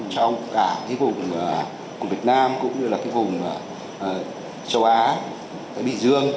trong cả vùng việt nam cũng như vùng châu á bị dương